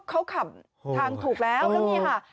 เขาขับทางถูกแล้วแล้วนี่ค่ะ